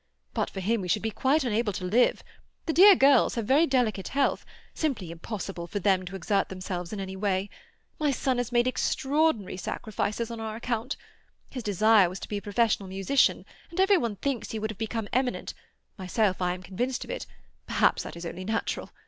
But for him we should be quite unable to live. The dear girls have very delicate health; simply impossible for them to exert themselves in any way. My son has made extraordinary sacrifices on our account. His desire was to be a professional musician, and every one thinks he would have become eminent; myself, I am convinced of it—perhaps that is only natural.